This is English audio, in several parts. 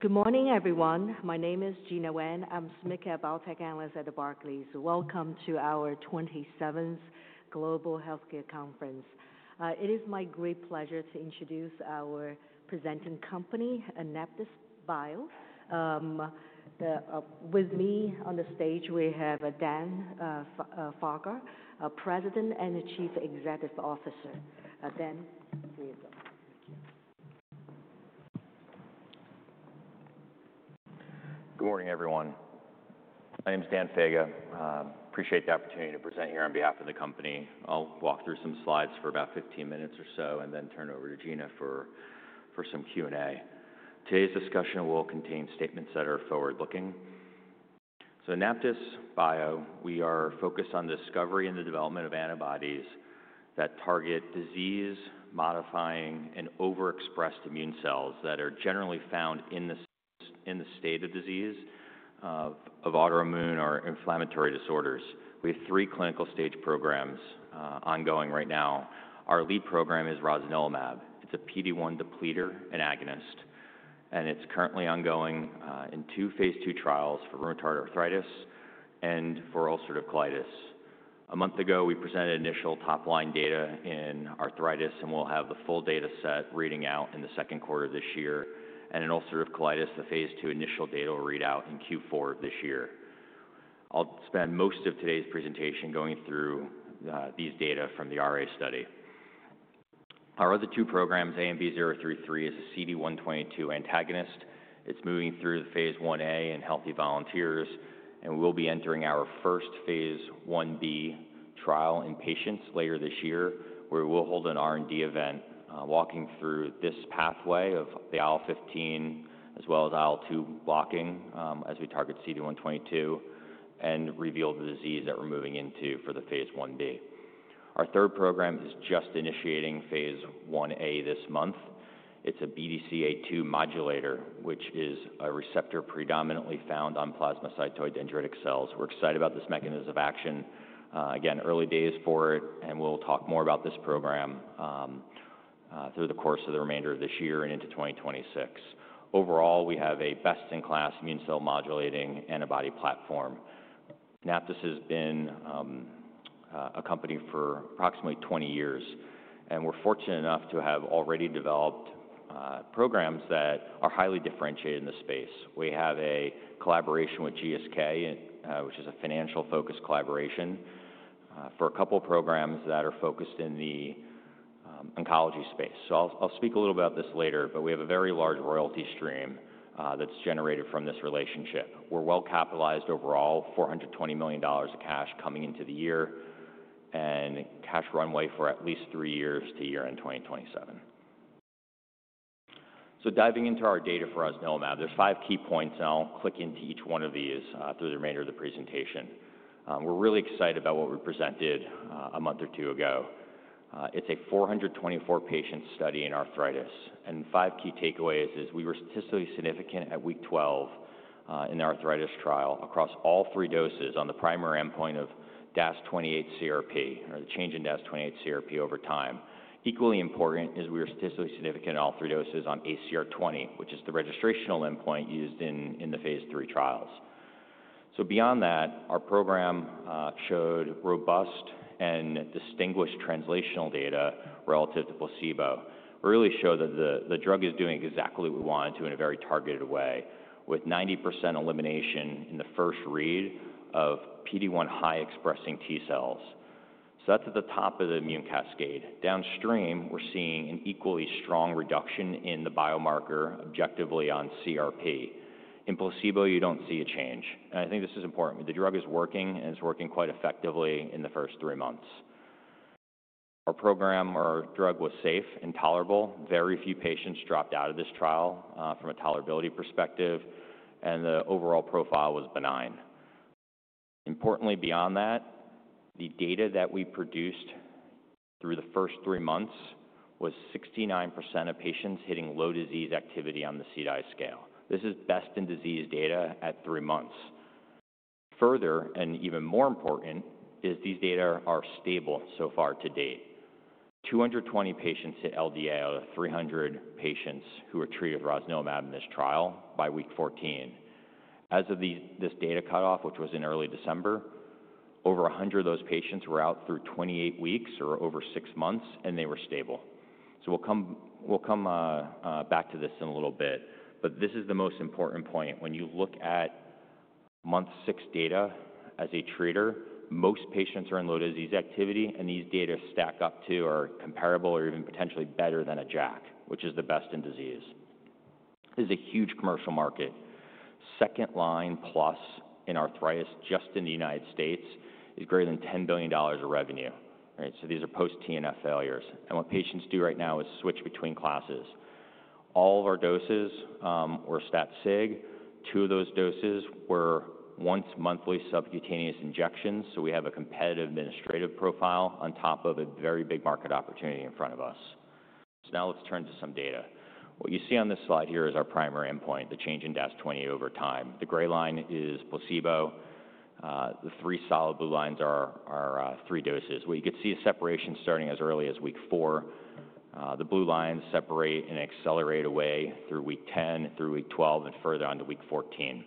Good morning, everyone. My name is Gena Wang. I'm a Biotech Analyst at Barclays. Welcome to our 27th Global Healthcare Conference. It is my great pleasure to introduce our presenting company, AnaptysBio. With me on the stage, we have Dan Faga, President and Chief Executive Officer. Dan, please go ahead. Good morning, everyone. My name is Dan Faga. I appreciate the opportunity to present here on behalf of the company. I'll walk through some slides for about 15 minutes or so and then turn it over to Gena for some Q&A. Today's discussion will contain statements that are forward-looking. AnaptysBio, we are focused on the discovery and the development of antibodies that target disease-modifying and overexpressed immune cells that are generally found in the state of disease of autoimmune or inflammatory disorders. We have three clinical stage programs ongoing right now. Our lead program is rosnilimab. It's a PD-1 depleter and agonist, and it's currently ongoing in two phase II trials for rheumatoid arthritis and for ulcerative colitis. A month ago, we presented initial top-line data in arthritis, and we'll have the full data set reading out in the second quarter of this year. In ulcerative colitis, the phase II initial data will read out in Q4 of this year. I'll spend most of today's presentation going through these data from the RA study. Our other two programs, ANB033 is a CD122 antagonist. It's moving through the phase I-A in healthy volunteers, and we'll be entering our first phase I-B trial in patients later this year, where we'll hold an R&D event walking through this pathway of the IL-15 as well as IL-2 blocking as we target CD122 and reveal the disease that we're moving into for the phase I-B. Our third program is just initiating phase I-A this month. It's a BDCA2 modulator, which is a receptor predominantly found on plasmacytoid dendritic cells. We're excited about this mechanism of action. Again, early days for it, and we'll talk more about this program through the course of the remainder of this year and into 2026. Overall, we have a best-in-class immune cell modulating antibody platform. AnaptysBio has been a company for approximately 20 years, and we're fortunate enough to have already developed programs that are highly differentiated in the space. We have a collaboration with GSK, which is a financial-focused collaboration, for a couple of programs that are focused in the oncology space. I'll speak a little bit about this later, but we have a very large royalty stream that's generated from this relationship. We're well-capitalized overall, $420 million of cash coming into the year and cash runway for at least three years to year-end 2027. Diving into our data for rosnilimab, there's five key points, and I'll click into each one of these through the remainder of the presentation. We're really excited about what we presented a month or two ago. It's a 424-patient study in arthritis. Five key takeaways is we were statistically significant at week 12 in the arthritis trial across all three doses on the primary endpoint of DAS28-CRP, or the change in DAS28-CRP over time. Equally important is we were statistically significant in all three doses on ACR20, which is the registrational endpoint used in the phase III trials. Beyond that, our program showed robust and distinguished translational data relative to placebo. It really showed that the drug is doing exactly what we wanted to in a very targeted way, with 90% elimination in the first read of PD-1 high-expressing T cells. That's at the top of the immune cascade. Downstream, we're seeing an equally strong reduction in the biomarker objectively on CRP. In placebo, you don't see a change. I think this is important. The drug is working, and it's working quite effectively in the first three months. Our program, our drug was safe and tolerable. Very few patients dropped out of this trial from a tolerability perspective, and the overall profile was benign. Importantly, beyond that, the data that we produced through the first three months was 69% of patients hitting low disease activity on the CDAI scale. This is best-in-disease data at three months. Further, and even more important, is these data are stable so far to date. 220 patients hit LDA out of 300 patients who were treated with rosnilimab in this trial by week 14. As of this data cutoff, which was in early December, over 100 of those patients were out through 28 weeks or over six months, and they were stable. We'll come back to this in a little bit. This is the most important point. When you look at month six data as a treater, most patients are in low disease activity, and these data stack up to or are comparable or even potentially better than a JAK, which is the best in disease. This is a huge commercial market. Second-line plus in arthritis just in the United States is greater than $10 billion of revenue. These are post-TNF failures. What patients do right now is switch between classes. All of our doses were stat-sig. Two of those doses were once-monthly subcutaneous injections. We have a competitive administrative profile on top of a very big market opportunity in front of us. Now let's turn to some data. What you see on this slide here is our primary endpoint, the change in DAS28 over time. The gray line is placebo. The three solid blue lines are three doses. What you can see is separation starting as early as week four. The blue lines separate and accelerate away through week 10, through week 12, and further on to week 14.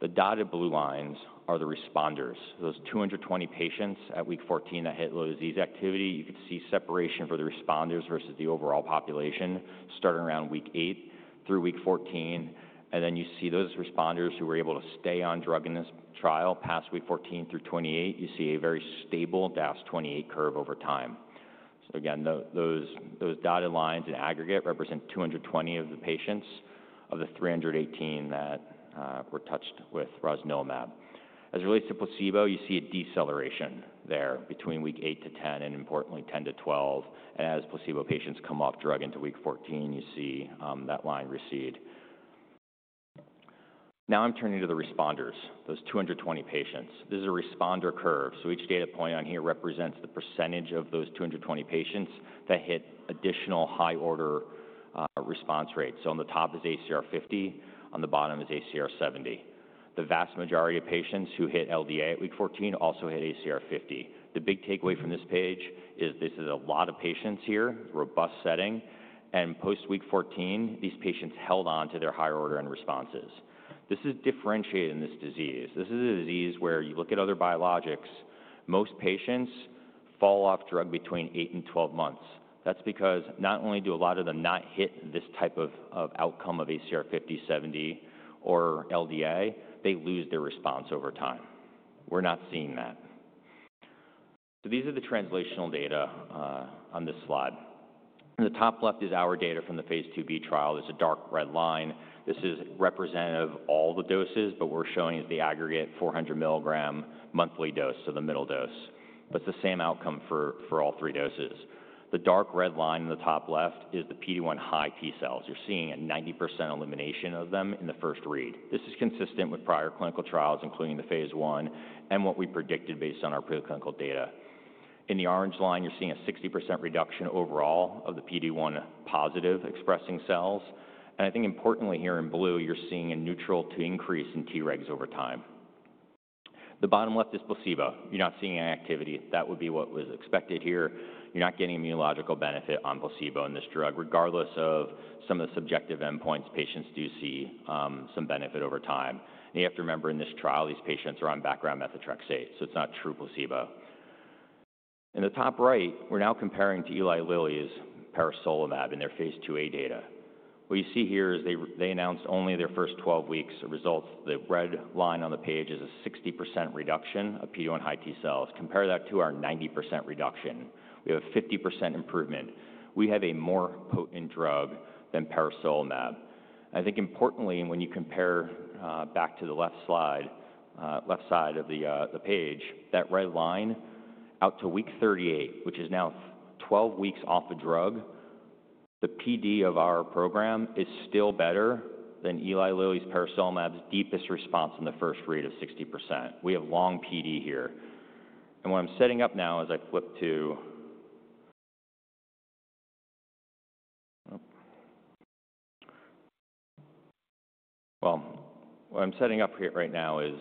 The dotted blue lines are the responders. Those 220 patients at week 14 that hit low disease activity, you can see separation for the responders versus the overall population starting around week eight through week 14. You see those responders who were able to stay on drug in this trial past week 14 through 28. You see a very stable DAS28 curve over time. Again, those dotted lines in aggregate represent 220 of the patients of the 318 that were touched with rosnilimab. As it relates to placebo, you see a deceleration there between week eight to 10 and, importantly, 10 to 12. As placebo patients come off drug into week 14, you see that line recede. Now I'm turning to the responders, those 220 patients. This is a responder curve. Each data point on here represents the percentage of those 220 patients that hit additional high-order response rate. On the top is ACR50. On the bottom is ACR70. The vast majority of patients who hit LDA at week 14 also hit ACR50. The big takeaway from this page is this is a lot of patients here, robust setting. Post-week 14, these patients held on to their higher order and responses. This is differentiated in this disease. This is a disease where you look at other biologics. Most patients fall off drug between 8 and 12 months. That is because not only do a lot of them not hit this type of outcome of ACR50, ACR70, or LDA, they lose their response over time. We are not seeing that. These are the translational data on this slide. In the top left is our data from the phase II-B trial. There is a dark red line. This is representative of all the doses, but we are showing as the aggregate 400 mg monthly dose, so the middle dose. It is the same outcome for all three doses. The dark red line in the top left is the PD-1 high T cells. You are seeing a 90% elimination of them in the first read. This is consistent with prior clinical trials, including the phase I and what we predicted based on our preclinical data. In the orange line, you're seeing a 60% reduction overall of the PD-1 positive expressing cells. I think, importantly, here in blue, you're seeing a neutral to increase in Tregs over time. The bottom left is placebo. You're not seeing any activity. That would be what was expected here. You're not getting immunological benefit on placebo in this drug, regardless of some of the subjective endpoints. Patients do see some benefit over time. You have to remember, in this trial, these patients are on background methotrexate, so it's not true placebo. In the top right, we're now comparing to Eli Lilly's peresolimab in their phase II-A data. What you see here is they announced only their first 12 weeks of results. The red line on the page is a 60% reduction of PD-1 high T cells. Compare that to our 90% reduction. We have a 50% improvement. We have a more potent drug than peresolimab. I think, importantly, when you compare back to the left side of the page, that red line out to week 38, which is now 12 weeks off a drug, the PD of our program is still better than Eli Lilly's peresolimab's deepest response in the first read of 60%. We have long PD here. What I'm setting up now is I flip to... What I'm setting up here right now is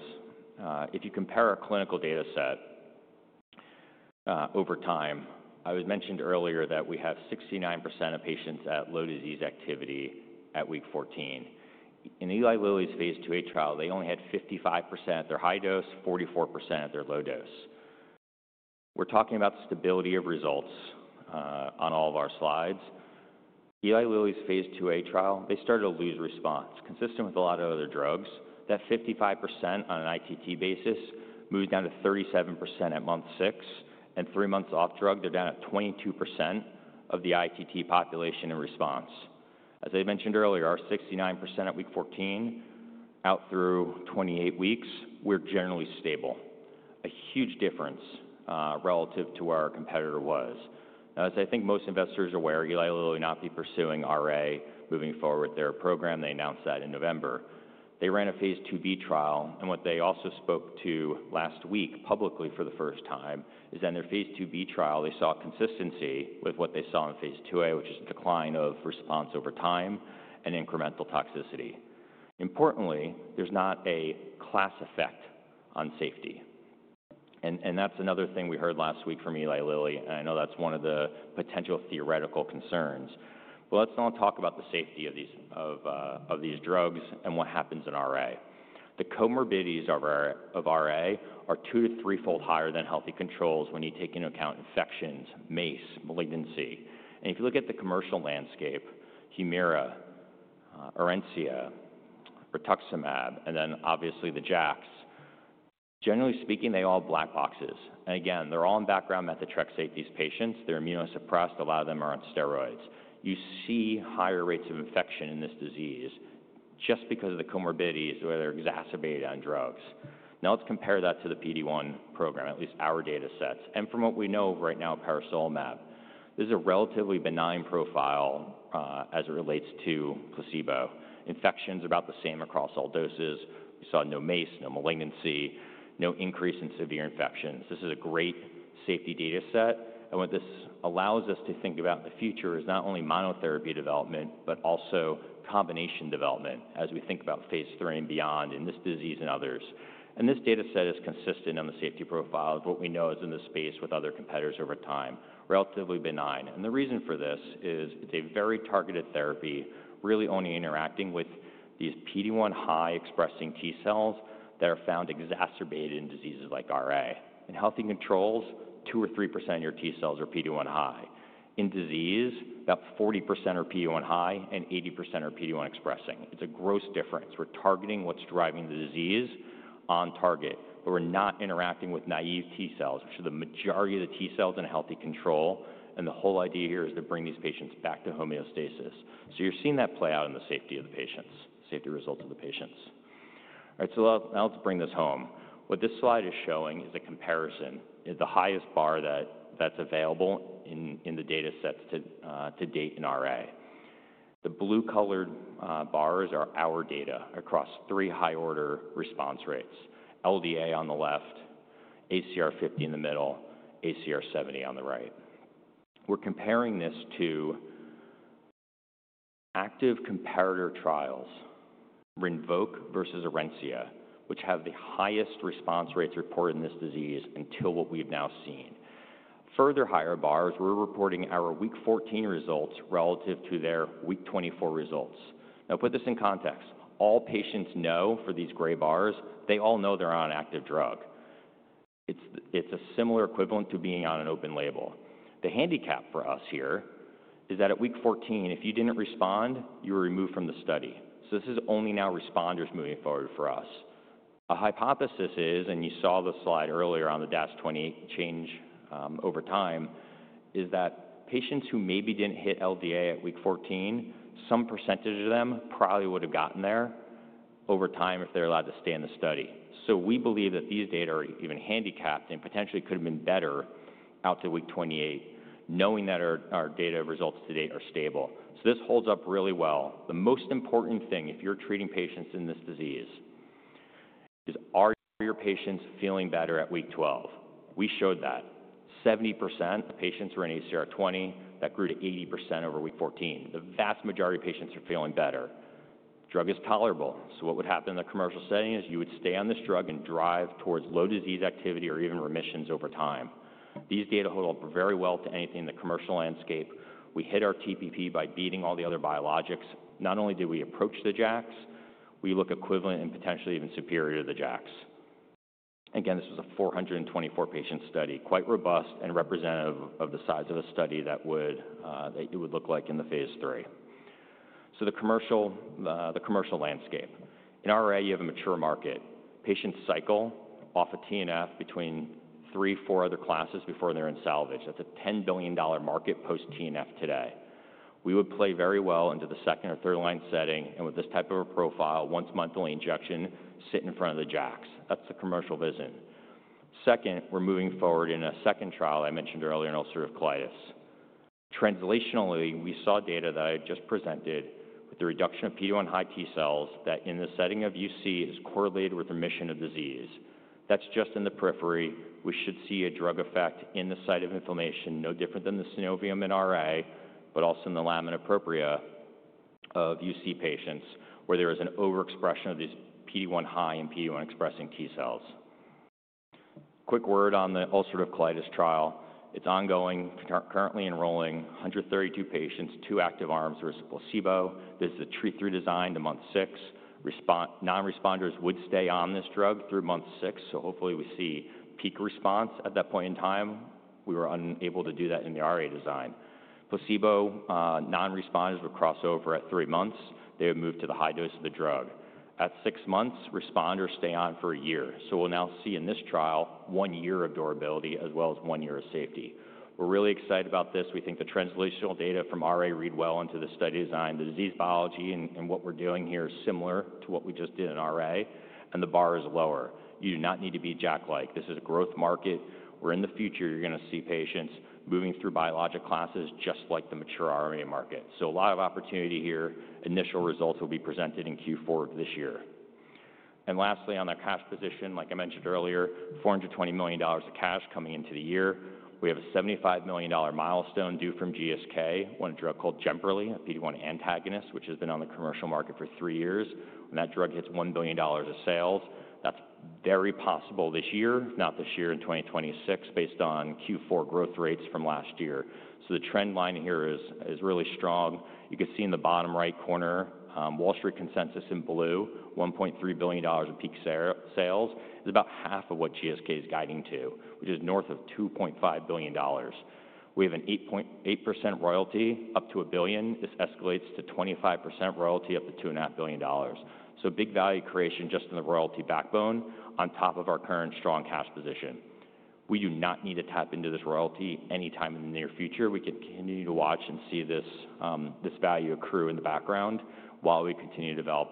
if you compare our clinical data set over time, I was mentioned earlier that we have 69% of patients at low disease activity at week 14. In Eli Lilly's phase II-A trial, they only had 55% at their high dose, 44% at their low dose. We're talking about stability of results on all of our slides. Eli Lilly's phase II-A trial, they started to lose response, consistent with a lot of other drugs. That 55% on an ITT basis moved down to 37% at month six. Three months off drug, they're down at 22% of the ITT population in response. As I mentioned earlier, our 69% at week 14 out through 28 weeks, we're generally stable. A huge difference relative to where our competitor was. Now, as I think most investors are aware, Eli Lilly will not be pursuing RA moving forward with their program. They announced that in November. They ran a phase II-B trial, and what they also spoke to last week publicly for the first time is in their phase II-B trial, they saw consistency with what they saw in phase II-A, which is a decline of response over time and incremental toxicity. Importantly, there's not a class effect on safety. That's another thing we heard last week from Eli Lilly, and I know that's one of the potential theoretical concerns. Let's not talk about the safety of these drugs and what happens in RA. The comorbidities of RA are two- to threefold higher than healthy controls when you take into account infections, MACE, malignancy. If you look at the commercial landscape, Humira, Orencia, Rituximab, and then obviously the JAKs, generally speaking, they all have black boxes. Again, they're all on background methotrexate, these patients. They're immunosuppressed. A lot of them are on steroids. You see higher rates of infection in this disease just because of the comorbidities where they're exacerbated on drugs. Now let's compare that to the PD-1 program, at least our data sets. From what we know right now of peresolimab, this is a relatively benign profile as it relates to placebo. Infections are about the same across all doses. We saw no MACE, no malignancy, no increase in severe infections. This is a great safety data set. What this allows us to think about in the future is not only monotherapy development, but also combination development as we think about phase III and beyond in this disease and others. This data set is consistent on the safety profile of what we know is in this space with other competitors over time, relatively benign. The reason for this is it's a very targeted therapy, really only interacting with these PD-1 high expressing T cells that are found exacerbated in diseases like RA. In healthy controls, 2% or 3% of your T cells are PD-1 high. In disease, about 40% are PD-1 high and 80% are PD-1 expressing. It's a gross difference. We're targeting what's driving the disease on target, but we're not interacting with naive T cells, which are the majority of the T cells in a healthy control. The whole idea here is to bring these patients back to homeostasis. You're seeing that play out in the safety of the patients, safety results of the patients. All right. Now let's bring this home. What this slide is showing is a comparison. It's the highest bar that's available in the data sets to date in RA. The blue-colored bars are our data across three high-order response rates: LDA on the left, ACR50 in the middle, ACR70 on the right. We're comparing this to active comparator trials, Rinvoq versus Orencia, which have the highest response rates reported in this disease until what we've now seen. Further higher bars, we're reporting our week 14 results relative to their week 24 results. Now, put this in context. All patients know for these gray bars, they all know they're on an active drug. It's a similar equivalent to being on an open label. The handicap for us here is that at week 14, if you didn't respond, you were removed from the study. This is only now responders moving forward for us. A hypothesis is, and you saw the slide earlier on the DAS28 change over time, is that patients who maybe didn't hit LDA at week 14, some percentage of them probably would have gotten there over time if they're allowed to stay in the study. We believe that these data are even handicapped and potentially could have been better out to week 28, knowing that our data results to date are stable. This holds up really well. The most important thing, if you're treating patients in this disease, is are your patients feeling better at week 12? We showed that 70% of patients were in ACR20. That grew to 80% over week 14. The vast majority of patients are feeling better. Drug is tolerable. What would happen in the commercial setting is you would stay on this drug and drive towards low disease activity or even remissions over time. These data hold up very well to anything in the commercial landscape. We hit our TPP by beating all the other biologics. Not only did we approach the JAKs, we look equivalent and potentially even superior to the JAKs. Again, this was a 424-patient study, quite robust and representative of the size of a study that would look like in the phase III. The commercial landscape. In RA, you have a mature market. Patients cycle off a TNF between three or four other classes before they're in salvage. That's a $10 billion market post-TNF today. We would play very well into the second or third-line setting and with this type of a profile, once-monthly injection, sit in front of the JAKs. That's the commercial vision. Second, we're moving forward in a second trial I mentioned earlier in ulcerative colitis. Translationally, we saw data that I just presented with the reduction of PD-1 high T cells that, in the setting of UC, is correlated with remission of disease. That's just in the periphery. We should see a drug effect in the site of inflammation, no different than the synovium in RA, but also in the lamina propria of UC patients where there is an overexpression of these PD-1 high and PD-1 expressing T cells. Quick word on the ulcerative colitis trial. It's ongoing, currently enrolling 132 patients, two active arms versus placebo. This is a three-three design to month six. Non-responders would stay on this drug through month six, so hopefully we see peak response at that point in time. We were unable to do that in the RA design. Placebo non-responders would cross over at three months. They would move to the high dose of the drug. At six months, responders stay on for a year. We will now see in this trial one year of durability as well as one year of safety. We are really excited about this. We think the translational data from RA read well into the study design. The disease biology and what we are doing here is similar to what we just did in RA, and the bar is lower. You do not need to be JAK-like. This is a growth market. We are in the future. You are going to see patients moving through biologic classes just like the mature RA market. A lot of opportunity here. Initial results will be presented in Q4 of this year. Lastly, on our cash position, like I mentioned earlier, $420 million of cash coming into the year. We have a $75 million milestone due from GSK on a drug called Jemperli, a PD-1 antagonist, which has been on the commercial market for three years. When that drug hits $1 billion of sales, that's very possible this year, if not this year in 2026, based on Q4 growth rates from last year. The trend line here is really strong. You can see in the bottom right corner, Wall Street consensus in blue, $1.3 billion of peak sales is about half of what GSK is guiding to, which is north of $2.5 billion. We have an 8% royalty up to a billion. This escalates to 25% royalty up to $2.5 billion. Big value creation just in the royalty backbone on top of our current strong cash position. We do not need to tap into this royalty anytime in the near future. We can continue to watch and see this value accrue in the background while we continue to develop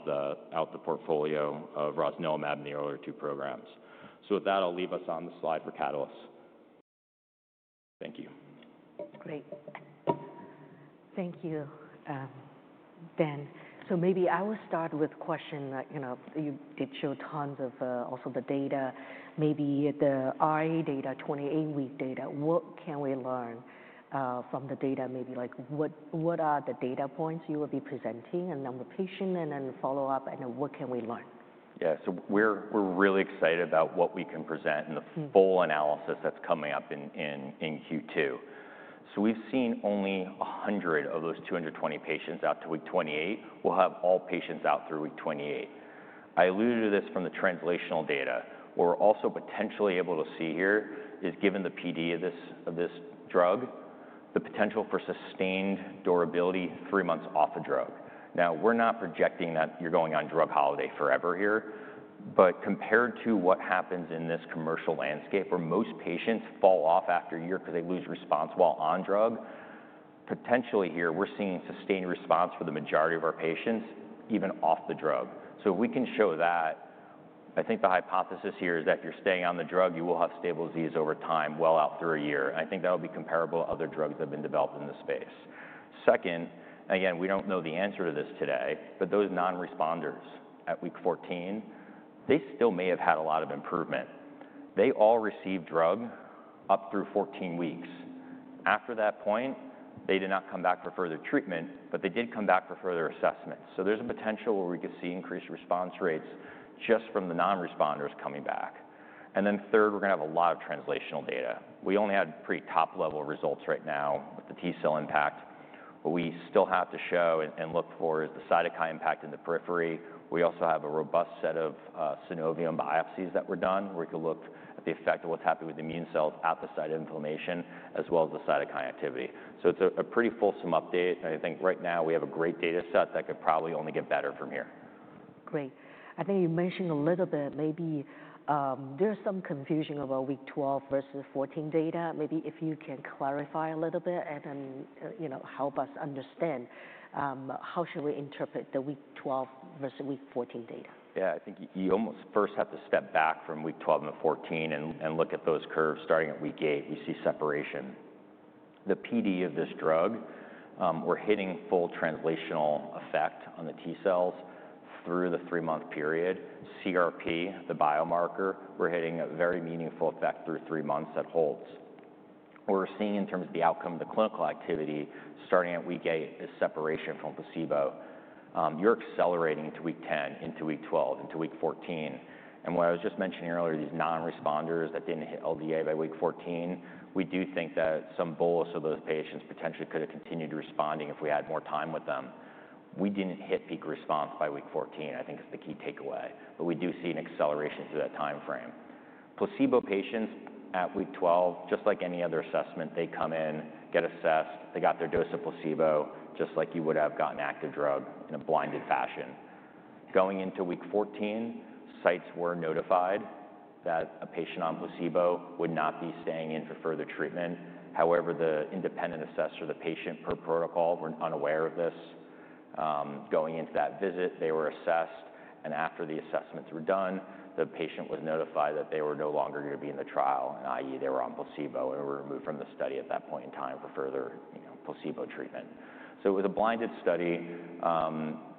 out the portfolio of rosnilimab in the earlier two programs. Thank you. That's great. Thank you, Dan. Maybe I will start with a question that you did show tons of also the data. Maybe the RA data, 28-week data, what can we learn from the data? Maybe like what are the data points you will be presenting and then the patient and then follow-up, and then what can we learn? Yeah. We're really excited about what we can present and the full analysis that's coming up in Q2. We've seen only 100 of those 220 patients out to week 28. We'll have all patients out through week 28. I alluded to this from the translational data. What we're also potentially able to see here is, given the PD of this drug, the potential for sustained durability three months off a drug. Now, we're not projecting that you're going on drug holiday forever here, but compared to what happens in this commercial landscape where most patients fall off after a year because they lose response while on drug, potentially here we're seeing sustained response for the majority of our patients even off the drug. If we can show that, I think the hypothesis here is that if you're staying on the drug, you will have stable disease over time well out through a year. I think that'll be comparable to other drugs that have been developed in this space. Second, again, we don't know the answer to this today, but those non-responders at week 14, they still may have had a lot of improvement. They all received drug up through 14 weeks. After that point, they did not come back for further treatment, but they did come back for further assessment. There is a potential where we could see increased response rates just from the non-responders coming back. Third, we're going to have a lot of translational data. We only had pretty top-level results right now with the T cell impact. What we still have to show and look for is the cytokine impact in the periphery. We also have a robust set of synovium biopsies that were done where we could look at the effect of what's happening with immune cells at the site of inflammation as well as the cytokine activity. It is a pretty fulsome update. I think right now we have a great data set that could probably only get better from here. Great. I think you mentioned a little bit maybe there's some confusion about week 12 versus 14 data. Maybe if you can clarify a little bit and then help us understand how should we interpret the week 12 versus week 14 data? Yeah. I think you almost first have to step back from week 12 and 14 and look at those curves starting at week eight. We see separation. The PD of this drug, we're hitting full translational effect on the T cells through the three-month period. CRP, the biomarker, we're hitting a very meaningful effect through three months that holds. What we're seeing in terms of the outcome of the clinical activity starting at week eight is separation from placebo. You're accelerating to week 10, into week 12, into week 14. What I was just mentioning earlier, these non-responders that didn't hit LDA by week 14, we do think that some bolus of those patients potentially could have continued responding if we had more time with them. We didn't hit peak response by week 14. I think it's the key takeaway, but we do see an acceleration through that timeframe. Placebo patients at week 12, just like any other assessment, they come in, get assessed, they got their dose of placebo just like you would have gotten active drug in a blinded fashion. Going into week 14, sites were notified that a patient on placebo would not be staying in for further treatment. However, the independent assessor, the patient per protocol, were unaware of this. Going into that visit, they were assessed, and after the assessments were done, the patient was notified that they were no longer going to be in the trial, and i.e., they were on placebo and were removed from the study at that point in time for further placebo treatment. It was a blinded study.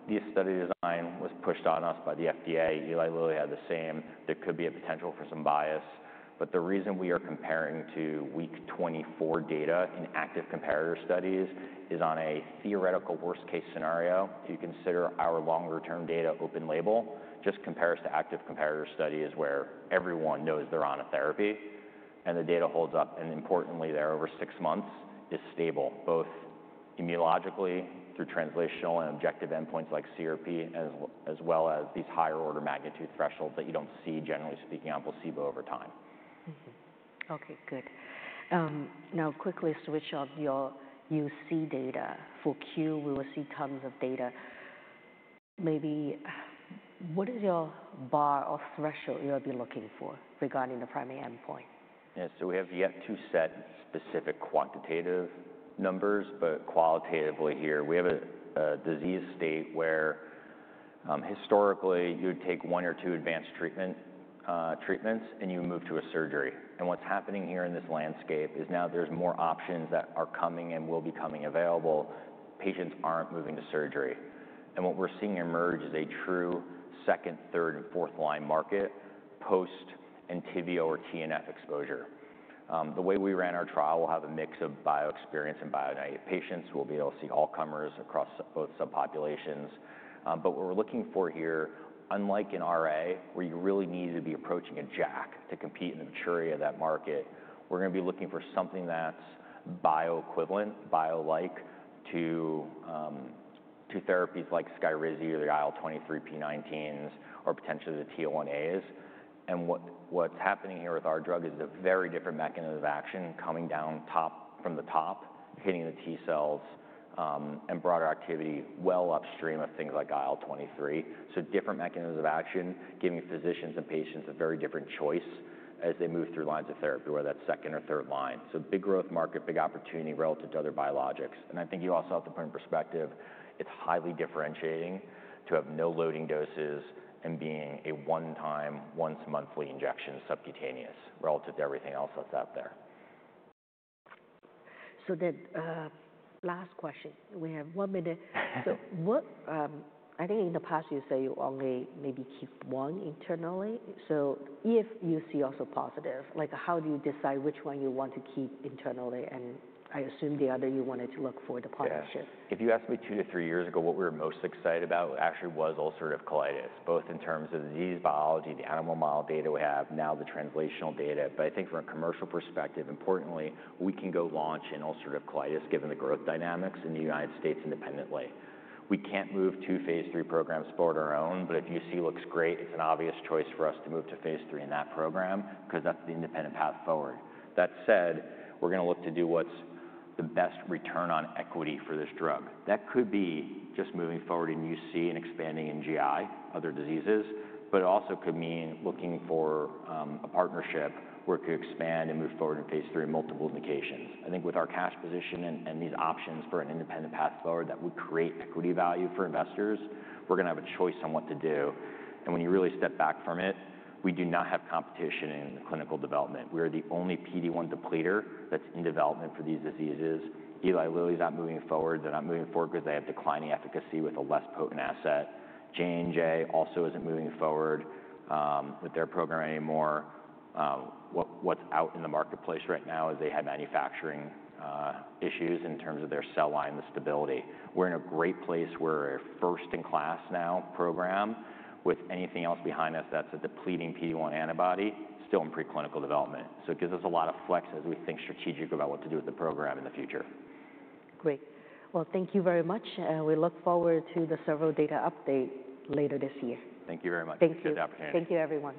This study design was pushed on us by the FDA. Eli Lilly had the same. There could be a potential for some bias, but the reason we are comparing to week 24 data in active comparator studies is on a theoretical worst-case scenario. If you consider our longer-term data open label, just compares to active comparator studies where everyone knows they're on a therapy and the data holds up. Importantly, there over six months is stable, both immunologically through translational and objective endpoints like CRP, as well as these higher-order magnitude thresholds that you don't see, generally speaking, on placebo over time. Okay. Good. Now, quickly switch off your UC data. For Q, we will see tons of data. Maybe what is your bar or threshold you'll be looking for regarding the primary endpoint? Yeah. We have yet to set specific quantitative numbers, but qualitatively here, we have a disease state where historically you'd take one or two advanced treatments and you move to a surgery. What's happening here in this landscape is now there's more options that are coming and will be coming available. Patients aren't moving to surgery. What we're seeing emerge is a true second, third, and fourth-line market post-Entyvio or TNF exposure. The way we ran our trial, we'll have a mix of bio-experienced and bio-naive patients. We'll be able to see all comers across both subpopulations. What we're looking for here, unlike in RA where you really need to be approaching a JAK to compete in the maturity of that market, we're going to be looking for something that's bio-equivalent, bio-like to therapies like Skyrizi, the IL-23p19s, or potentially the TL1As. What's happening here with our drug is a very different mechanism of action coming down from the top, hitting the T cells and broader activity well upstream of things like IL-23. Different mechanisms of action give physicians and patients a very different choice as they move through lines of therapy or that second or third line. Big growth market, big opportunity relative to other biologics. I think you also have to put in perspective, it's highly differentiating to have no loading doses and being a one-time, once-monthly injection subcutaneous relative to everything else that's out there. Last question. We have one minute. I think in the past you say you only maybe keep one internally. If UC also positive, how do you decide which one you want to keep internally? I assume the other you wanted to look for the partnership. Yeah. If you asked me two to three years ago, what we were most excited about actually was ulcerative colitis, both in terms of disease biology, the animal model data we have, now the translational data. I think from a commercial perspective, importantly, we can go launch in ulcerative colitis given the growth dynamics in the United States independently. We can't move two phase III programs forward on our own, but if UC looks great, it's an obvious choice for us to move to phase III in that program because that's the independent path forward. That said, we're going to look to do what's the best return on equity for this drug. That could be just moving forward in UC and expanding in GI, other diseases, but it also could mean looking for a partnership where it could expand and move forward in phase III in multiple indications. I think with our cash position and these options for an independent path forward that would create equity value for investors, we're going to have a choice on what to do. When you really step back from it, we do not have competition in the clinical development. We are the only PD-1 depleter that's in development for these diseases. Eli Lilly's not moving forward. They're not moving forward because they have declining efficacy with a less potent asset. J&J also isn't moving forward with their program anymore. What's out in the marketplace right now is they have manufacturing issues in terms of their cell line, the stability. We're in a great place where a first-in-class now program with anything else behind us that's a depleting PD-1 antibody still in preclinical development. It gives us a lot of flex as we think strategic about what to do with the program in the future. Great. Thank you very much. We look forward to the several data update later this year. Thank you very much. Thank you. Appreciate the opportunity. Thank you, everyone.